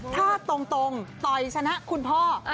ถ้าตรงต่อยชนะคุณพ่อ